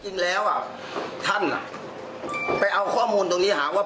ในฐานะที่เราเป็นกรรมการ